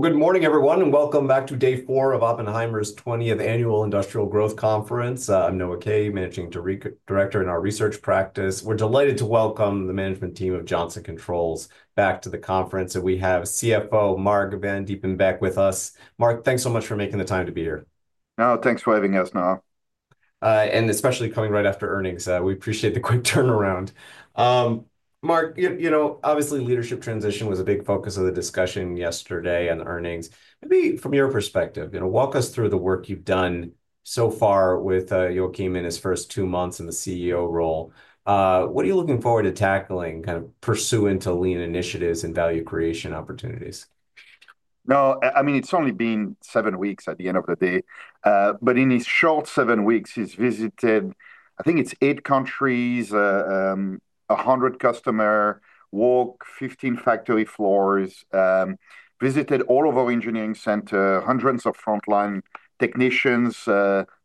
Good morning, everyone, and welcome back to day four of Oppenheimer's 20th Annual Industrial Growth Conference. I'm Noah Kaye, Managing Director in our research practice. We're delighted to welcome the management team of Johnson Controls back to the conference. We have CFO Marc Vandiepenbeeck with us. Marc, thanks so much for making the time to be here. Oh, thanks for having us, Noah. Especially coming right after earnings. We appreciate the quick turnaround. Marc, you know, obviously, leadership transition was a big focus of the discussion yesterday and earnings. Maybe from your perspective, you know, walk us through the work you've done so far with Joachim in his first two months in the CEO role. What are you looking forward to tackling, kind of pursuant to lean initiatives and value creation opportunities? No, I mean, it's only been seven weeks at the end of the day. But in his short seven weeks, he's visited, I think it's eight countries, 100 customers, walked 15 factory floors, visited all of our engineering center, hundreds of frontline technicians,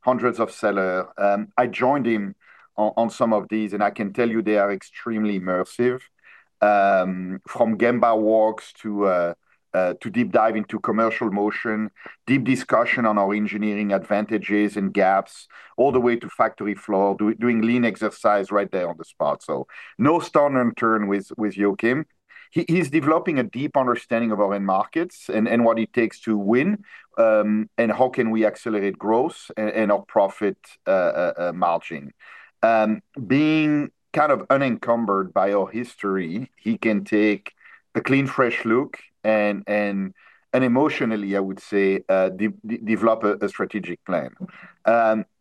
hundreds of sellers. I joined him on some of these, and I can tell you they are extremely immersive, from Gemba walks to deep dive into commercial motion, deep discussion on our engineering advantages and gaps, all the way to factory floor, doing lean exercise right there on the spot. So no stone unturned with Joachim. He's developing a deep understanding of our end markets and what it takes to win and how can we accelerate growth and our profit margin. Being kind of unencumbered by our history, he can take a clean, fresh look and emotionally, I would say, develop a strategic plan.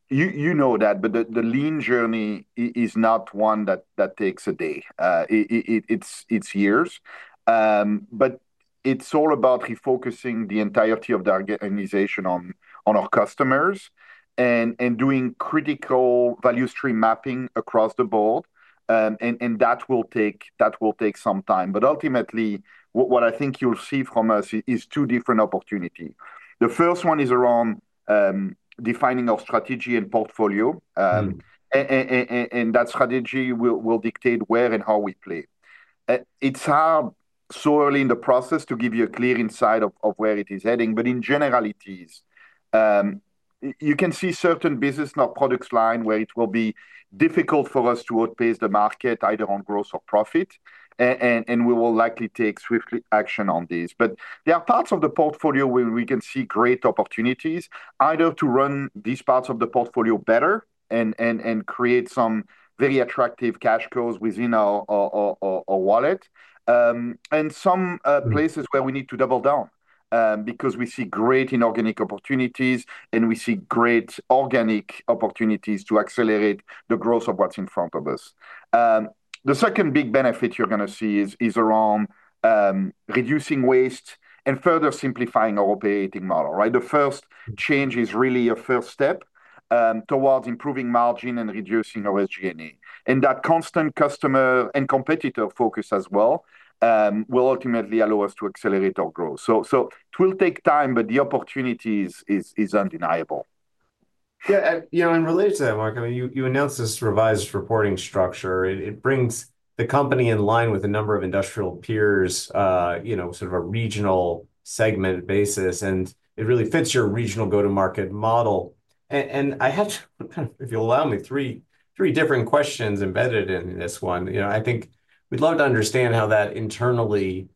You know that, but the lean journey is not one that takes a day. It's years. But it's all about refocusing the entirety of the organization on our customers and doing critical value stream mapping across the board. And that will take some time. But ultimately, what I think you'll see from us is two different opportunities. The first one is around defining our strategy and portfolio. And that strategy will dictate where and how we play. It's hard so early in the process to give you a clear insight of where it is heading. But in generalities, you can see certain business or product lines where it will be difficult for us to outpace the market either on growth or profit. And we will likely take swift action on these. But there are parts of the portfolio where we can see great opportunities, either to run these parts of the portfolio better and create some very attractive cash flows within our wallet, and some places where we need to double down because we see great inorganic opportunities and we see great organic opportunities to accelerate the growth of what's in front of us. The second big benefit you're going to see is around reducing waste and further simplifying our operating model. The first change is really a first step towards improving margin and reducing our SG&A. And that constant customer and competitor focus as well will ultimately allow us to accelerate our growth. So it will take time, but the opportunity is undeniable. Yeah. And you know, in relation to that, Marc, I mean, you announced this revised reporting structure. It brings the company in line with a number of industrial peers, you know, sort of a regional segment basis, and it really fits your regional go-to-market model. And I have to kind of, if you'll allow me, three different questions embedded in this one. You know, I think we'd love to understand how that internally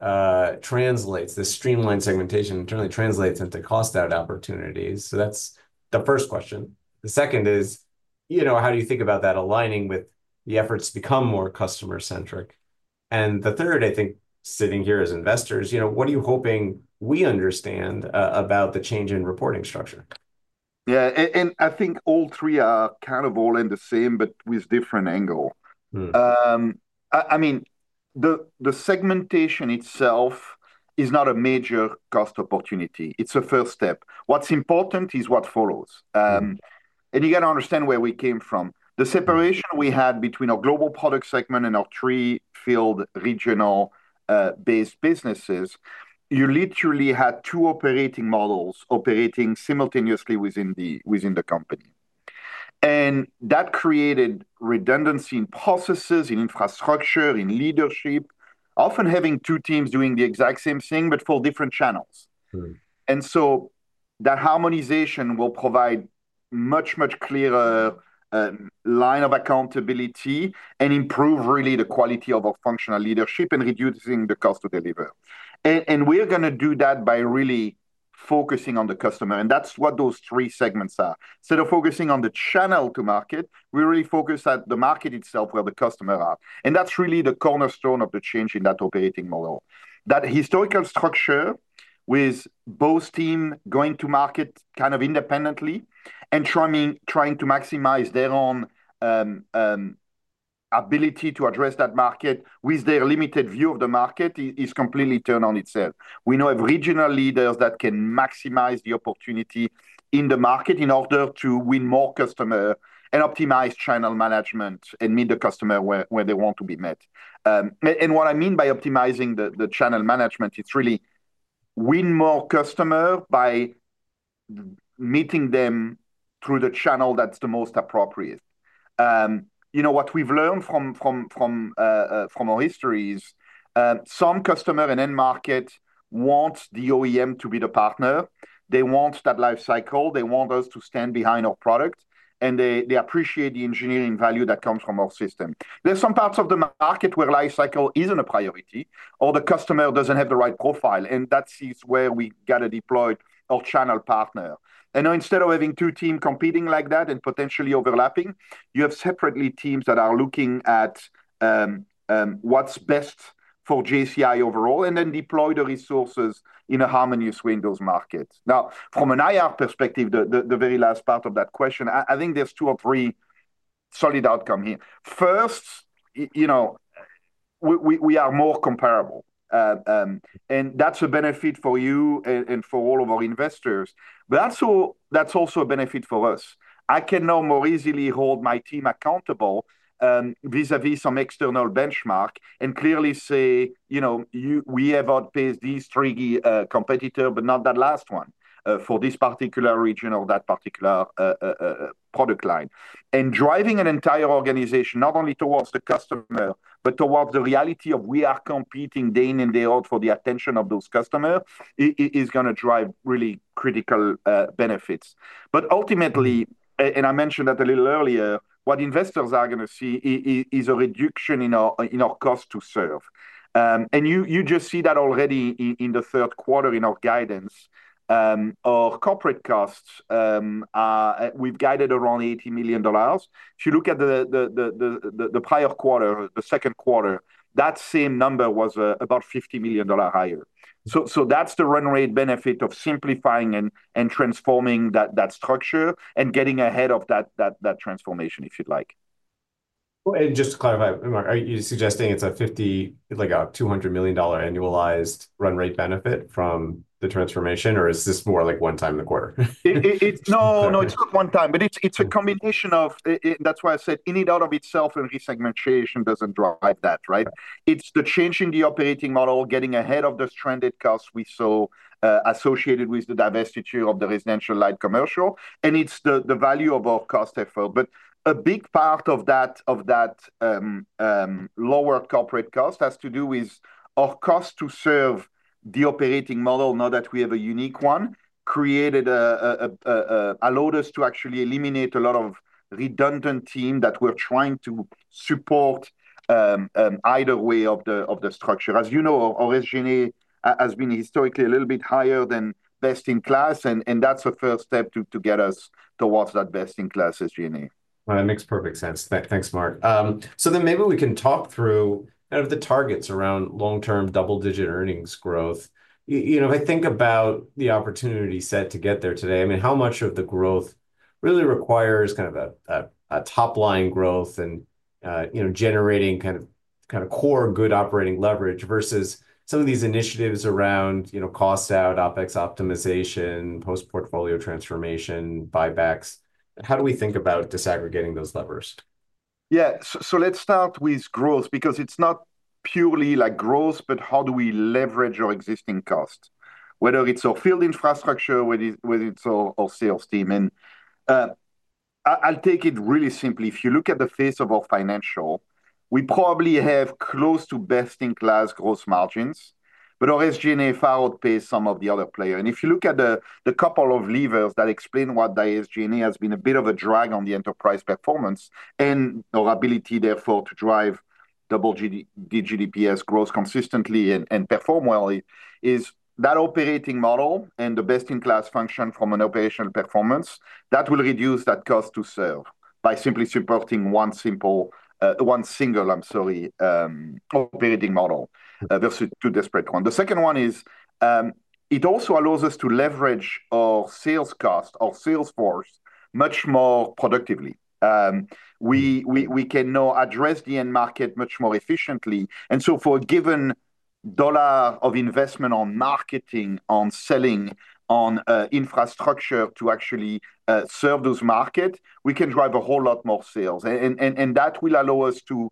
translates, the streamlined segmentation internally translates into cost-out opportunities. So that's the first question. The second is, you know, how do you think about that aligning with the efforts to become more customer-centric? And the third, I think, sitting here as investors, you know, what are you hoping we understand about the change in reporting structure? Yeah. And I think all three are kind of all in the same, but with different angle. I mean, the segmentation itself is not a major cost opportunity. It's a first step. What's important is what follows. And you got to understand where we came from. The separation we had between our global product segment and our three-field regional-based businesses, you literally had two operating models operating simultaneously within the company. And that created redundancy in processes, in infrastructure, in leadership, often having two teams doing the exact same thing, but for different channels. And so that harmonization will provide much, much clearer line of accountability and improve really the quality of our functional leadership and reducing the cost to deliver. And we're going to do that by really focusing on the customer. And that's what those three segments are. Instead of focusing on the channel to market, we really focus on the market itself where the customers are. That's really the cornerstone of the change in that operating model. That historical structure with both teams going to market kind of independently and trying to maximize their own ability to address that market with their limited view of the market is completely turned on its head. We now have regional leaders that can maximize the opportunity in the market in order to win more customers and optimize channel management and meet the customers where they want to be met. And what I mean by optimizing the channel management, it's really to win more customers by meeting them through the channel that's the most appropriate. You know, what we've learned from our history is some customers and end markets want the OEM to be the partner. They want that life cycle. They want us to stand behind our product. And they appreciate the engineering value that comes from our system. There are some parts of the market where life cycle isn't a priority or the customer doesn't have the right profile. And that is where we got to deploy our channel partner. And now, instead of having two teams competing like that and potentially overlapping, you have separate teams that are looking at what's best for JCI overall and then deploy the resources in a harmonious way in those markets. Now, from an IR perspective, the very last part of that question, I think there's two or three solid outcomes here. First, you know, we are more comparable. And that's a benefit for you and for all of our investors. But that's also a benefit for us. I can now more easily hold my team accountable vis-à-vis some external benchmark and clearly say, you know, we have outpaced these three competitors, but not that last one for this particular region or that particular product line, and driving an entire organization, not only towards the customer, but towards the reality of we are competing day in and day out for the attention of those customers is going to drive really critical benefits, but ultimately, and I mentioned that a little earlier, what investors are going to see is a reduction in our cost to serve, and you just see that already in the third quarter in our guidance. Our corporate costs, we've guided around $80 million. If you look at the prior quarter, the second quarter, that same number was about $50 million higher. So that's the run rate benefit of simplifying and transforming that structure and getting ahead of that transformation, if you'd like. Just to clarify, Marc, are you suggesting it's a $200 million annualized run rate benefit from the transformation, or is this more like one time in the quarter? No, no, it's not one time. But it's a combination of, and that's why I said in and of itself and resegmentation doesn't drive that, right? It's the change in the operating model, getting ahead of the stranded costs we saw associated with the diversity of the residential light commercial. And it's the value of our cost effort. But a big part of that lower corporate cost has to do with our cost to serve the operating model, now that we have a unique one, created allowed us to actually eliminate a lot of redundant teams that were trying to support either way of the structure. As you know, our SG&A has been historically a little bit higher than best in class. And that's a first step to get us towards that best in class SG&A. That makes perfect sense. Thanks, Marc. So then maybe we can talk through kind of the targets around long-term double-digit earnings growth. You know, if I think about the opportunity set to get there today, I mean, how much of the growth really requires kind of a top-line growth and generating kind of core good operating leverage versus some of these initiatives around cost-out, OPEX optimization, post-portfolio transformation, buybacks? How do we think about disaggregating those levers? Yeah. So let's start with growth because it's not purely like growth, but how do we leverage our existing costs, whether it's our field infrastructure or with our sales team? And I'll take it really simply. If you look at the face of our financial, we probably have close to best in class gross margins, but our SG&A far outpaced some of the other players. And if you look at the couple of levers that explain why the SG&A has been a bit of a drag on the enterprise performance and our ability therefore to drive double-digit EPS growth consistently and perform well, is that operating model and the best in class function from an operational performance that will reduce that cost to serve by simply supporting one single, I'm sorry, operating model versus two disparate ones. The second one is it also allows us to leverage our sales cost, our sales force, much more productively. We can now address the end market much more efficiently. And so for a given dollar of investment on marketing, on selling, on infrastructure to actually serve those markets, we can drive a whole lot more sales. And that will allow us to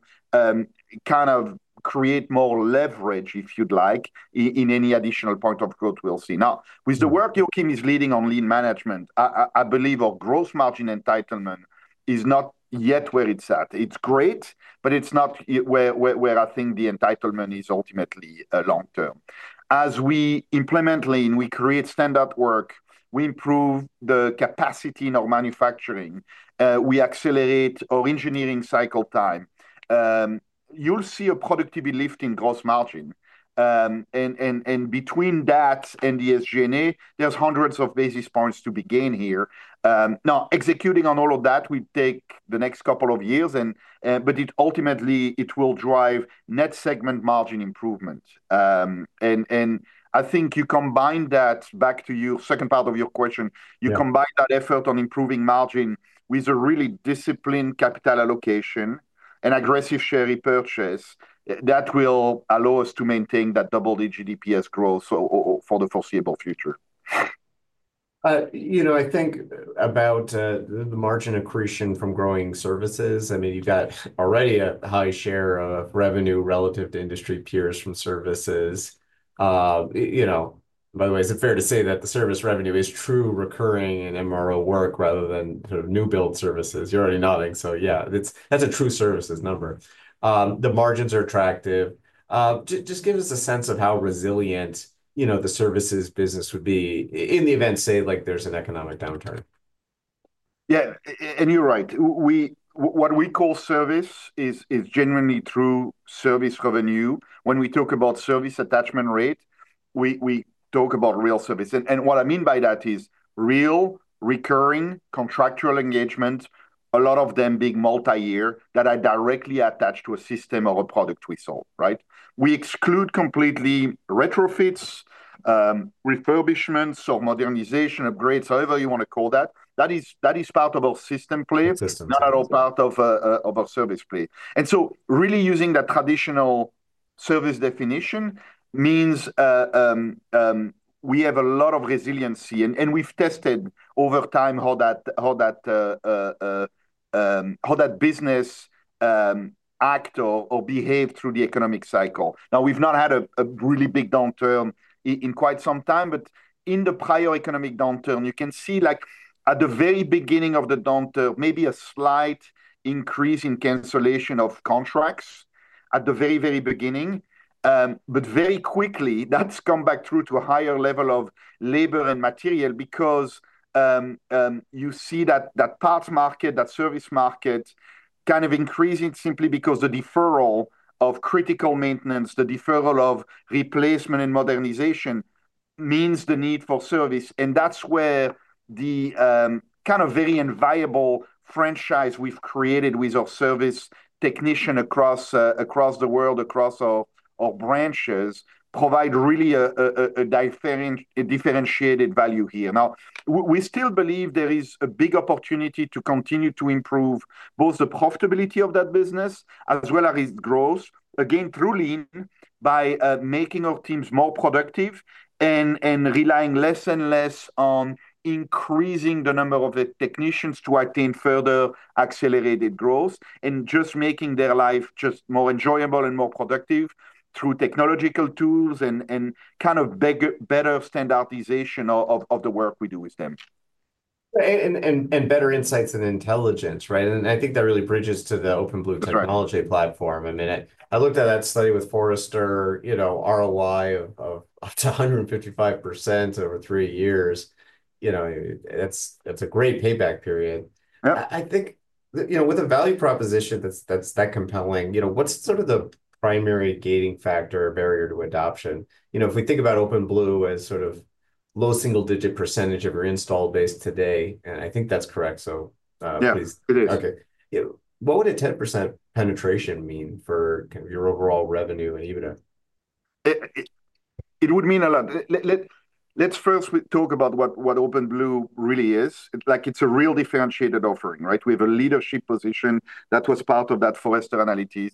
kind of create more leverage, if you'd like, in any additional point of growth we'll see. Now, with the work Joachim is leading on lean management, I believe our gross margin entitlement is not yet where it's at. It's great, but it's not where I think the entitlement is ultimately long-term. As we implement lean, we create standard work. We improve the capacity in our manufacturing. We accelerate our engineering cycle time. You'll see a productivity lift in gross margin. And between that and the SG&A, there's hundreds of basis points to be gained here. Now, executing on all of that, we take the next couple of years. But ultimately, it will drive net segment margin improvement. And I think you combine that back to your second part of your question. You combine that effort on improving margin with a really disciplined capital allocation and aggressive share purchase that will allow us to maintain that double-digit EPS growth for the foreseeable future. You know, I think about the margin accretion from growing services. I mean, you've got already a high share of revenue relative to industry peers from services. You know, by the way, is it fair to say that the service revenue is true recurring and MRO work rather than sort of new build services? You're already nodding. So yeah, that's a true services number. The margins are attractive. Just give us a sense of how resilient, you know, the services business would be in the event, say, like there's an economic downturn. Yeah. And you're right. What we call service is genuinely true service revenue. When we talk about service attachment rate, we talk about real service. And what I mean by that is real recurring contractual engagements, a lot of them being multi-year that are directly attached to a system or a product we sold, right? We exclude completely retrofits, refurbishments, or modernization upgrades, however you want to call that. That is part of our system play. System. It's not at all part of our service play. And so really using that traditional service definition means we have a lot of resiliency. And we've tested over time how that business acts or behaves through the economic cycle. Now, we've not had a really big downturn in quite some time. But in the prior economic downturn, you can see like at the very beginning of the downturn, maybe a slight increase in cancellation of contracts at the very, very beginning. But very quickly, that's come back through to a higher level of labor and material because you see that parts market, that service market kind of increasing simply because the deferral of critical maintenance, the deferral of replacement and modernization means the need for service. That's where the kind of very invaluable franchise we've created with our service technician across the world, across our branches, provides really a differentiated value here. Now, we still believe there is a big opportunity to continue to improve both the profitability of that business as well as its growth, again, through lean by making our teams more productive and relying less and less on increasing the number of technicians to attain further accelerated growth and just making their life just more enjoyable and more productive through technological tools and kind of better standardization of the work we do with them. Better insights and intelligence, right? I think that really bridges to the OpenBlue technology platform. I mean, I looked at that study with Forrester, you know, ROI of up to 155% over three years. You know, that's a great payback period. I think, you know, with a value proposition that's that compelling, you know, what's sort of the primary gating factor or barrier to adoption? You know, if we think about OpenBlue as sort of low single-digit % of your install base today, and I think that's correct, so. Yeah, it is. Okay. What would a 10% penetration mean for kind of your overall revenue and EBITDA? It would mean a lot. Let's first talk about what OpenBlue really is. It's like it's a real differentiated offering, right? We have a leadership position that was part of that Forrester analysis.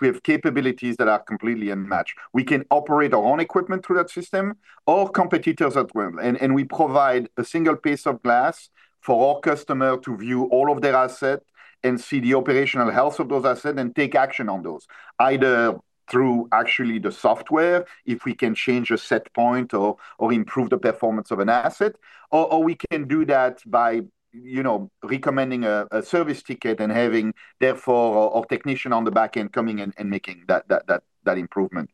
We have capabilities that are completely unmatched. We can operate our own equipment through that system or competitors' equipment. And we provide a single piece of glass for our customer to view all of their assets and see the operational health of those assets and take action on those, either through actually the software, if we can change a set point or improve the performance of an asset, or we can do that by, you know, recommending a service ticket and having therefore our technician on the back end coming and making that improvement.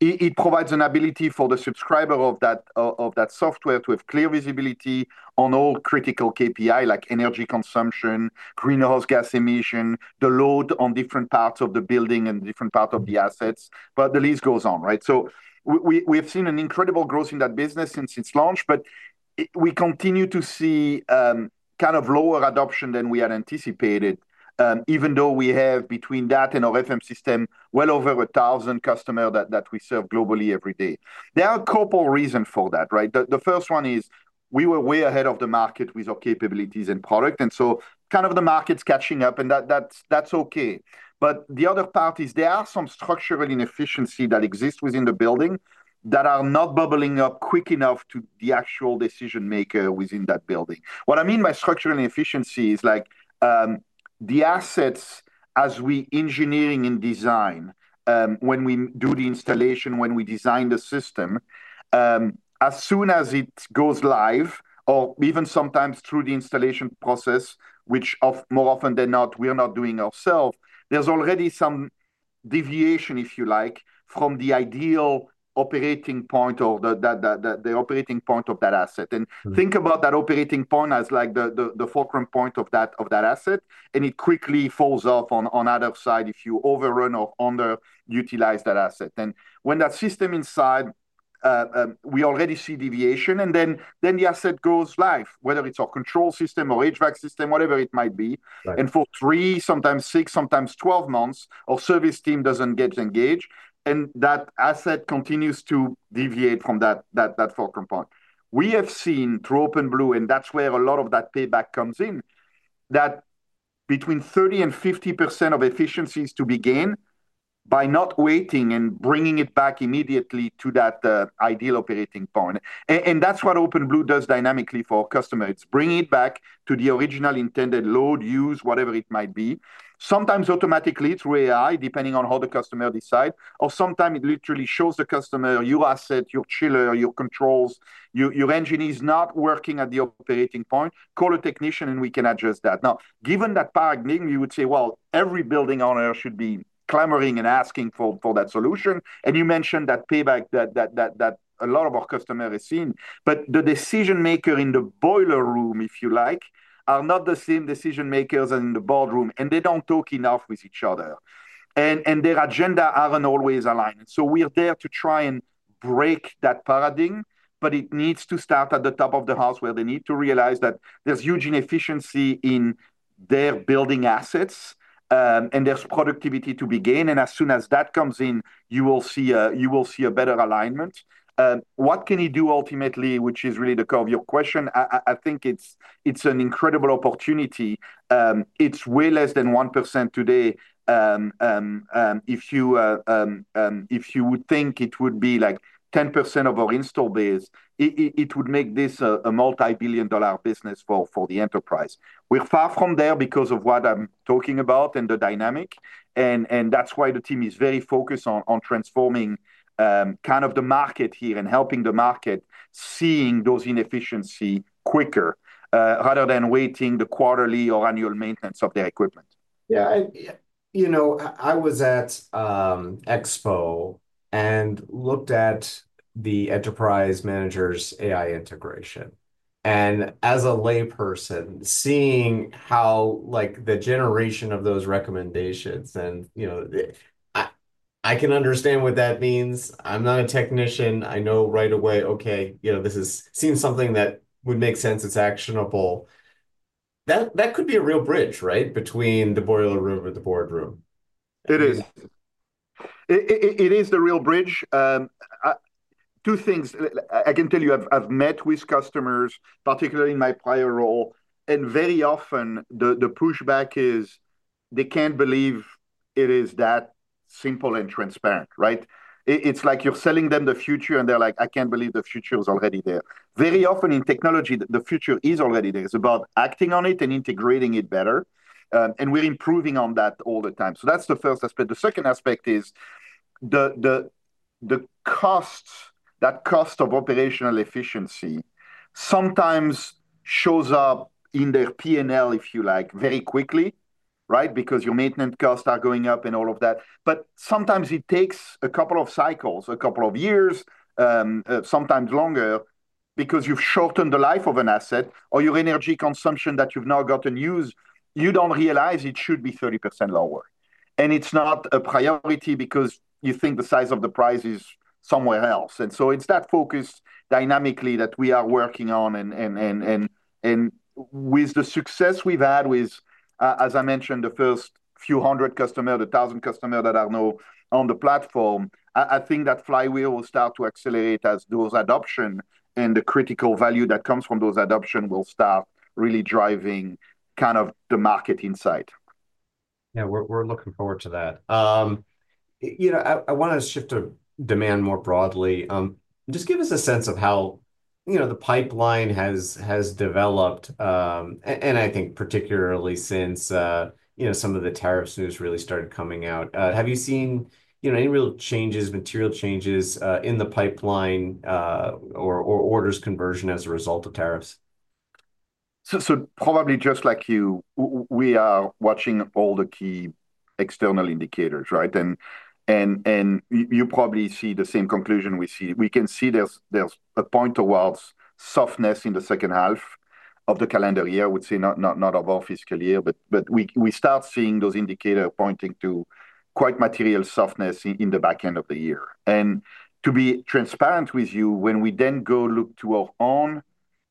It provides an ability for the subscriber of that software to have clear visibility on all critical KPIs like energy consumption, greenhouse gas emission, the load on different parts of the building and different parts of the assets. But the list goes on, right? So we have seen an incredible growth in that business since its launch, but we continue to see kind of lower adoption than we had anticipated, even though we have between that and our FM system well over 1,000 customers that we serve globally every day. There are a couple of reasons for that, right? The first one is we were way ahead of the market with our capabilities and product. And so kind of the market's catching up, and that's okay. But the other part is there are some structural inefficiencies that exist within the building that are not bubbling up quick enough to the actual decision maker within that building. What I mean by structural inefficiency is like the assets as we engineer and design, when we do the installation, when we design the system, as soon as it goes live or even sometimes through the installation process, which more often than not we're not doing ourselves, there's already some deviation, if you like, from the ideal operating point or the operating point of that asset. And think about that operating point as like the foreground point of that asset, and it quickly falls off on the other side if you overrun or underutilize that asset. And when that system is inside, we already see deviation, and then the asset goes live, whether it's our control system or HVAC system, whatever it might be, and for three, sometimes six, sometimes 12 months, our service team doesn't get engaged, and that asset continues to deviate from that foreground point. We have seen through OpenBlue, and that's where a lot of that payback comes in, that between 30% and 50% of efficiencies to be gained by not waiting and bringing it back immediately to that ideal operating point, and that's what OpenBlue does dynamically for our customers. It's bringing it back to the original intended load, use, whatever it might be. Sometimes automatically through AI, depending on how the customer decides, or sometimes it literally shows the customer your asset, your chiller, your controls, your engine is not working at the operating point, call a technician and we can adjust that. Now, given that paradigm, you would say, well, every building owner should be clamoring and asking for that solution, and you mentioned that payback that a lot of our customers have seen, but the decision makers in the boiler room, if you like, are not the same decision makers as in the boardroom, and they don't talk enough with each other, and their agendas aren't always aligned, and so we're there to try and break that paradigm, but it needs to start at the top of the house where they need to realize that there's huge inefficiency in their building assets and there's productivity to be gained. And as soon as that comes in, you will see a better alignment. What can you do ultimately, which is really the core of your question? I think it's an incredible opportunity. It's way less than 1% today. If you would think it would be like 10% of our install base, it would make this a multi-billion dollar business for the enterprise. We're far from there because of what I'm talking about and the dynamic. And that's why the team is very focused on transforming kind of the market here and helping the market see those inefficiencies quicker rather than waiting the quarterly or annual maintenance of their equipment. Yeah. You know, I was at Expo and looked at the Enterprise Manager's AI integration. And as a layperson, seeing how like the generation of those recommendations, and you know, I can understand what that means. I'm not a technician. I know right away, okay, you know, this seems something that would make sense. It's actionable. That could be a real bridge, right, between the boiler room and the boardroom. It is. It is the real bridge. Two things. I can tell you, I've met with customers, particularly in my prior role, and very often the pushback is they can't believe it is that simple and transparent, right? It's like you're selling them the future and they're like, I can't believe the future is already there. Very often in technology, the future is already there. It's about acting on it and integrating it better. And we're improving on that all the time. So that's the first aspect. The second aspect is the cost, that cost of operational efficiency sometimes shows up in their P&L, if you like, very quickly, right? Because your maintenance costs are going up and all of that. But sometimes it takes a couple of cycles, a couple of years, sometimes longer because you've shortened the life of an asset or your energy consumption that you've now gotten used to. You don't realize it should be 30% lower. And it's not a priority because you think the size of the prize is somewhere else. And so it's that focus dynamically that we are working on. And with the success we've had with, as I mentioned, the first few hundred customers, the thousand customers that are now on the platform, I think that flywheel will start to accelerate as those adoptions and the critical value that comes from those adoptions will start really driving kind of the market insight. Yeah, we're looking forward to that. You know, I want to shift to demand more broadly. Just give us a sense of how, you know, the pipeline has developed, and I think particularly since, you know, some of the tariffs news really started coming out. Have you seen, you know, any real changes, material changes in the pipeline or orders conversion as a result of tariffs? So probably just like you, we are watching all the key external indicators, right? And you probably see the same conclusion we see. We can see there's a point towards softness in the second half of the calendar year, I would say, not of our fiscal year, but we start seeing those indicators pointing to quite material softness in the back end of the year. And to be transparent with you, when we then go look to our own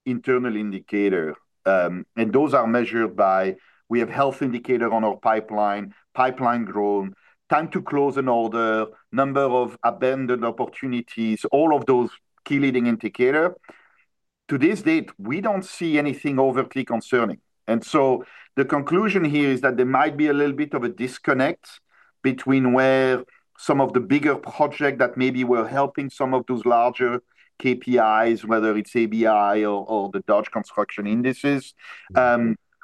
internal indicator, and those are measured by, we have health indicators on our pipeline, pipeline growth, time to close an order, number of abandoned opportunities, all of those key leading indicators. To this date, we don't see anything overtly concerning. The conclusion here is that there might be a little bit of a disconnect between where some of the bigger projects that maybe were helping some of those larger KPIs, whether it's ABI or the Dodge Construction Indices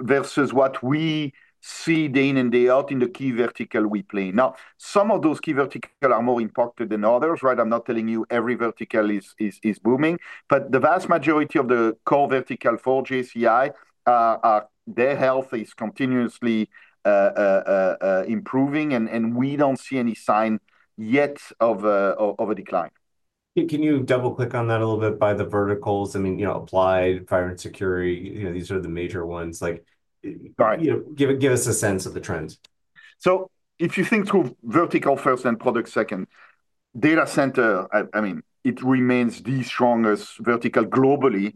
versus what we see day in and day out in the key vertical we play. Now, some of those key verticals are more impacted than others, right? I'm not telling you every vertical is booming, but the vast majority of the core vertical for JCI, their health is continuously improving, and we don't see any sign yet of a decline. Can you double-click on that a little bit by the verticals? I mean, you know, applied, private security, you know, these are the major ones. Like, give us a sense of the trends. So if you think through vertical first and product second, data center, I mean, it remains the strongest vertical globally,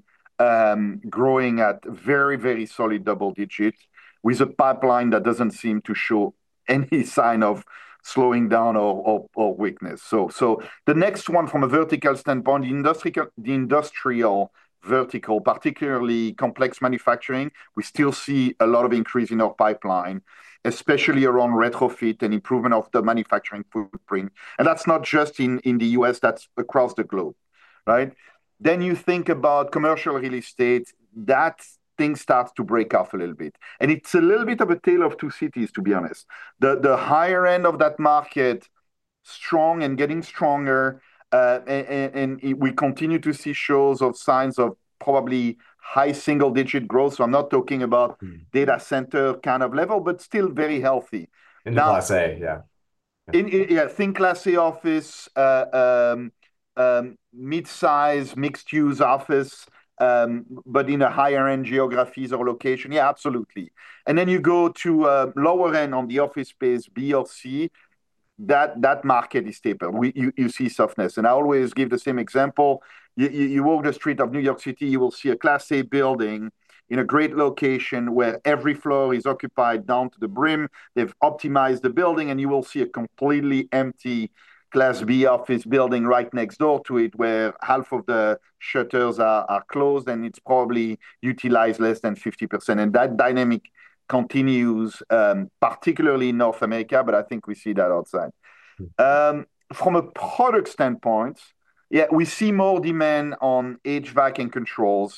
growing at very, very solid double digits with a pipeline that doesn't seem to show any sign of slowing down or weakness. So the next one from a vertical standpoint, the industrial vertical, particularly complex manufacturing, we still see a lot of increase in our pipeline, especially around retrofit and improvement of the manufacturing footprint. And that's not just in the U.S., that's across the globe, right? Then you think about commercial real estate, that thing starts to break off a little bit. And it's a little bit of a tale of two cities, to be honest. The higher end of that market, strong and getting stronger, and we continue to see shows of signs of probably high single-digit growth. So, I'm not talking about data center kind of level, but still very healthy. In the Class A, yeah. Yeah, in Class A office, mid-size mixed-use office, but in higher-end geographies or locations, yeah, absolutely, and then you go to the lower end of the office space, B or C, that market is soft. You see softness. And I always give the same example. You walk the street of New York City, you will see a Class A building in a great location where every floor is occupied to the brim. They've optimized the building, and you will see a completely empty Class B office building right next door to it where half of the shutters are closed, and it's probably utilized less than 50%. And that dynamic continues, particularly in North America, but I think we see that outside. From a product standpoint, yeah, we see more demand on HVAC and controls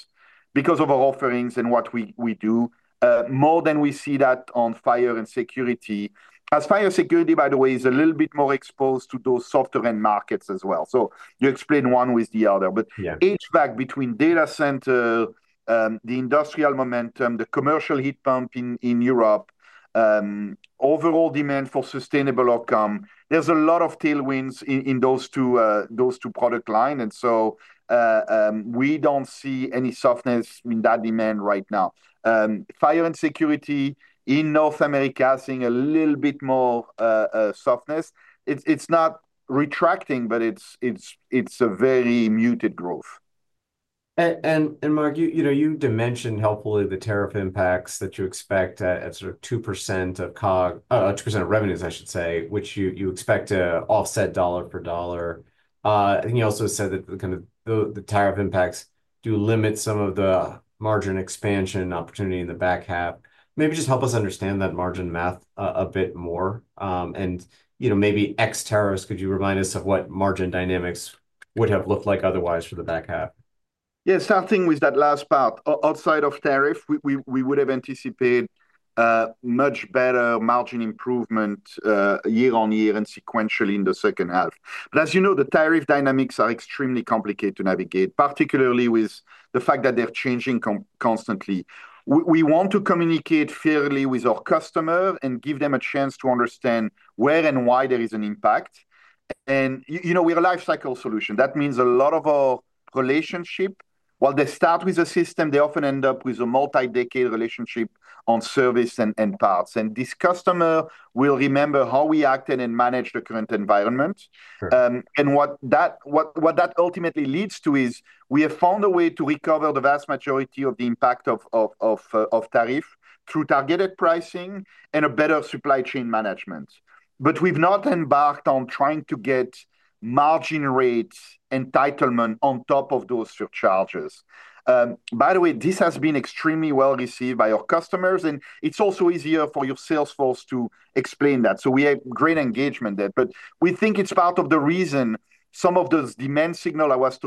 because of our offerings and what we do, more than we see that on fire and security, as fire security, by the way, is a little bit more exposed to those softer-end markets as well. So you explain one with the other, but HVAC between data center, the industrial momentum, the commercial heat pump in Europe, overall demand for sustainable outcome, there's a lot of tailwinds in those two product lines. And so we don't see any softness in that demand right now. Fire and security in North America seeing a little bit more softness. It's not retracting, but it's a very muted growth. Marc, you know, you mentioned helpfully the tariff impacts that you expect at sort of 2% of revenues, I should say, which you expect to offset dollar for dollar. You also said that kind of the tariff impacts do limit some of the margin expansion opportunity in the back half. Maybe just help us understand that margin math a bit more. You know, maybe ex-tariffs, could you remind us of what margin dynamics would have looked like otherwise for the back half? Yeah, starting with that last part, outside of tariff, we would have anticipated much better margin improvement year on year and sequentially in the second half. But as you know, the tariff dynamics are extremely complicated to navigate, particularly with the fact that they're changing constantly. We want to communicate fairly with our customer and give them a chance to understand where and why there is an impact. And you know, we're a lifecycle solution. That means a lot of our relationship, while they start with a system, they often end up with a multi-decade relationship on service and parts. And this customer will remember how we acted and managed the current environment. And what that ultimately leads to is we have found a way to recover the vast majority of the impact of tariff through targeted pricing and a better supply chain management. But we've not embarked on trying to get margin rates entitlement on top of those surcharges. By the way, this has been extremely well received by our customers, and it's also easier for your salesforce to explain that. So we have great engagement there, but we think it's part of the reason some of those demand signals I was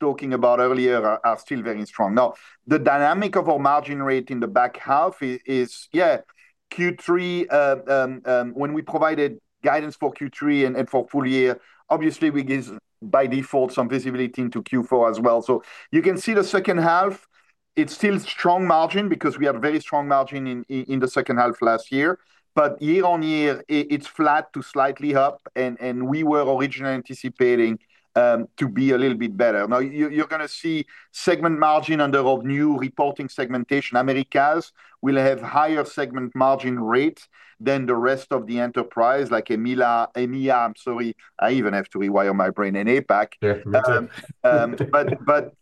talking about earlier are still very strong. Now, the dynamic of our margin rate in the back half is, yeah, Q3, when we provided guidance for Q3 and for full year, obviously we give by default some visibility into Q4 as well. So you can see the second half, it's still strong margin because we had very strong margin in the second half last year, but year on year, it's flat to slightly up, and we were originally anticipating to be a little bit better. Now, you're going to see segment margin under the new reporting segmentation. Americas will have higher segment margin rates than the rest of the enterprise, like EMEA. I'm sorry, I even have to rewire my brain and APAC.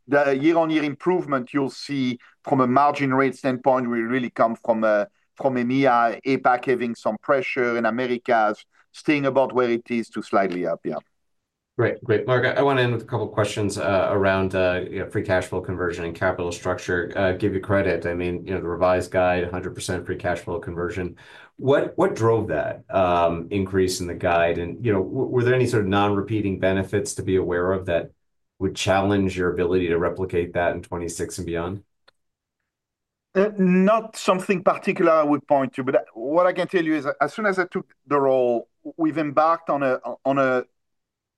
But year on year improvement, you'll see from a margin rate standpoint, we really come from EMEA, APAC having some pressure in Americas, staying about where it is to slightly up, yeah. Great, great. Marc, I want to end with a couple of questions around free cash flow conversion and capital structure. Give you credit, I mean, you know, the revised guide, 100% free cash flow conversion. What drove that increase in the guide? And you know, were there any sort of non-repeating benefits to be aware of that would challenge your ability to replicate that in 2026 and beyond? Not something particular I would point to, but what I can tell you is as soon as I took the role, we've embarked on a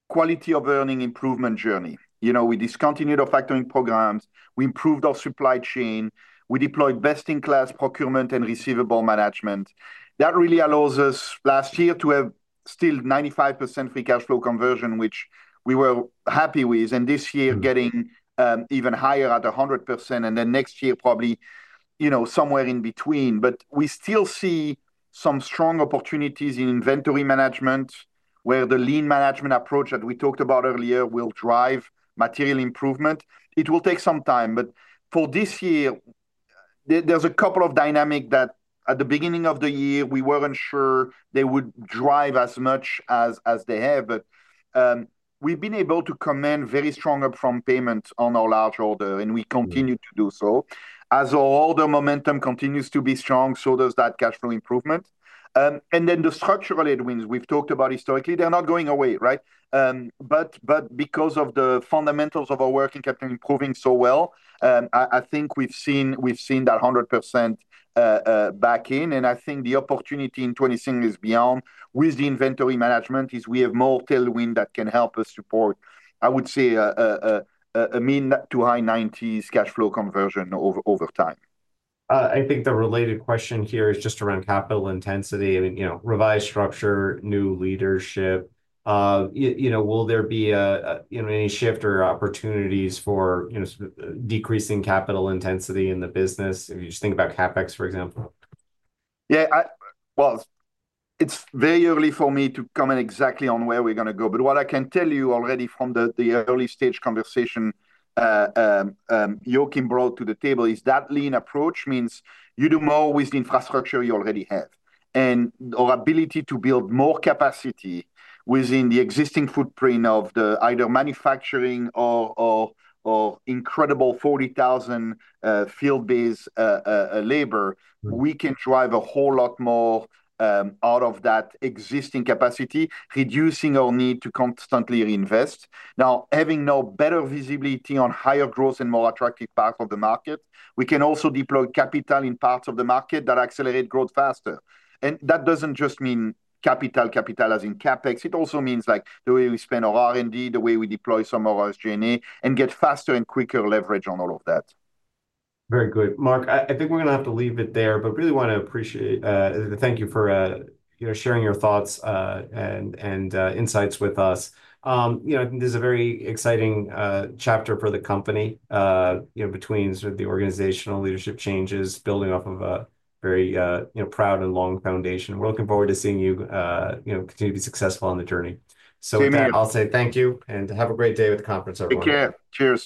quality of earnings improvement journey. You know, we discontinued our factoring programs, we improved our supply chain, we deployed best-in-class procurement and receivable management. That really allows us last year to have still 95% free cash flow conversion, which we were happy with, and this year getting even higher at 100%, and then next year probably, you know, somewhere in between. But we still see some strong opportunities in inventory management where the lean management approach that we talked about earlier will drive material improvement. It will take some time, but for this year, there's a couple of dynamics that at the beginning of the year, we weren't sure they would drive as much as they have, but we've been able to command very strong upfront payments on our large order, and we continue to do so. As our order momentum continues to be strong, so does that cash flow improvement. And then the structural headwinds we've talked about historically, they're not going away, right? But because of the fundamentals of our work in capital improving so well, I think we've seen that 100% back in, and I think the opportunity in 2026 is beyond with the inventory management is we have more tailwind that can help us support, I would say, a mid- to high-90s cash flow conversion over time. I think the related question here is just around capital intensity. I mean, you know, revised structure, new leadership, you know, will there be any shift or opportunities for, you know, decreasing capital intensity in the business if you just think about CapEx, for example? Yeah, well, it's very early for me to comment exactly on where we're going to go, but what I can tell you already from the early stage conversation Joachim brought to the table is that lean approach means you do more with the infrastructure you already have. And our ability to build more capacity within the existing footprint of the either manufacturing or incredible 40,000 field-based labor, we can drive a whole lot more out of that existing capacity, reducing our need to constantly reinvest. Now, having better visibility on higher growth and more attractive parts of the market, we can also deploy capital in parts of the market that accelerate growth faster. And that doesn't just mean capital, capital as in CapEx. It also means like the way we spend our R&D, the way we deploy some of our SG&A and get faster and quicker leverage on all of that. Very good. Marc, I think we're going to have to leave it there, but really want to appreciate. Thank you for, you know, sharing your thoughts and insights with us. You know, I think this is a very exciting chapter for the company, you know, between sort of the organizational leadership changes, building off of a very, you know, proud and long foundation. We're looking forward to seeing you, you know, continue to be successful on the journey. Same here. I'll say thank you and have a great day with the conference, everyone. Take care. Cheers.